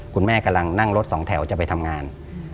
กำลังนั่งรถสองแถวจะไปทำงาน